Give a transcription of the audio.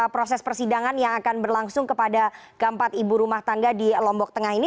proses persidangan yang akan berlangsung kepada keempat ibu rumah tangga di lombok tengah ini